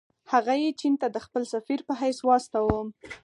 هغه یې چین ته د خپل سفیر په حیث واستاوه.